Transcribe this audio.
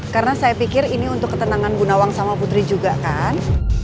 karena saya pikir ini untuk ketenangan bunawang sama putri juga kan